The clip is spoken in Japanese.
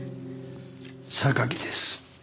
榊です。